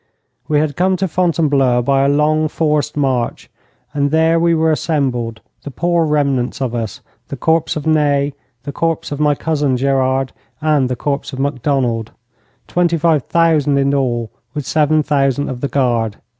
We had come to Fontainebleau by a long, forced march, and there we were assembled, the poor remnants of us, the corps of Ney, the corps of my cousin Gerard, and the corps of Macdonald: twenty five thousand in all, with seven thousand of the guard.